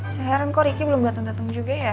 saya heran kok ricky belum datang datang juga ya